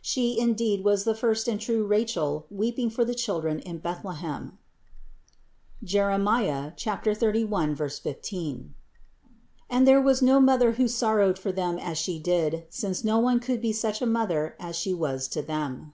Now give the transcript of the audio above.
She, indeed, was the first and true Rachel weeping for the children in Bethlehem (Jer. 31, 15) ; and there was no mother who sorrowed for them as She did, since no one could be such a Mother as She was to them.